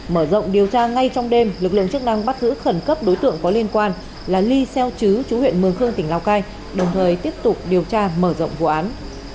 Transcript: mở rộng điều tra ngay trong đêm lực lượng chức năng bắt giữ khẩn cấp đối tượng có liên quan là ly xeo chứ chú huyện mường khương tỉnh lào cai đồng thời tiếp tục điều tra mở rộng vụ án